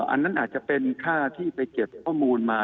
อันนั้นอาจจะเป็นค่าที่ไปเก็บข้อมูลมา